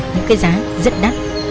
những cái giá rất đắt